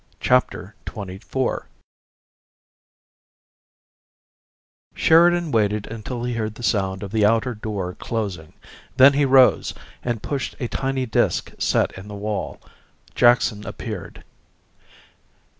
CHAPTER XXIV Sheridan waited until he heard the sound of the outer door closing; then he rose and pushed a tiny disk set in the wall. Jackson appeared.